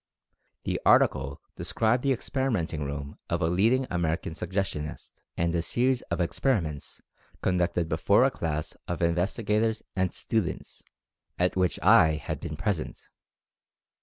The article described the experimenting room of a leading American suggestionist, at a series of experiments conducted before a class of investi gators and students, at which I had been present.